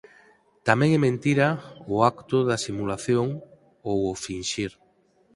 Tamén é mentira o acto da simulación ou o finxir.